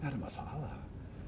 nggak ada masalah